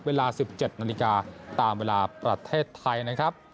เวลา๑๗นาฬิกาตามเวลาประเทศไทยนะครับ